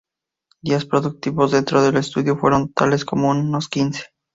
Días productivos dentro del estudio fueron, tal vez, unos quince.